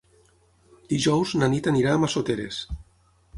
Dijous na Nit anirà a Massoteres.